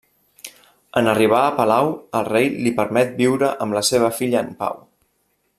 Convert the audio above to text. En arribar a palau, el rei li permet viure amb la seva filla en pau.